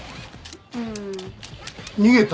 うん逃げた？